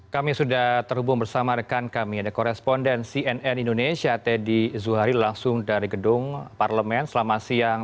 kami sudah terhubung bersama rekan kami ada koresponden cnn indonesia teddy zuhari langsung dari gedung parlemen selama siang